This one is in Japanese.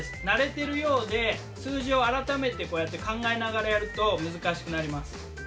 慣れてるようで数字を改めてこうやって考えながらやると難しくなります。